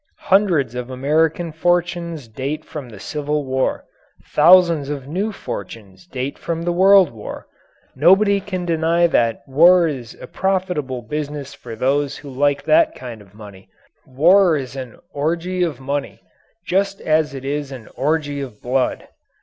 Hundreds of American fortunes date from the Civil War; thousands of new fortunes date from the World War. Nobody can deny that war is a profitable business for those who like that kind of money. War is an orgy of money, just as it is an orgy of blood.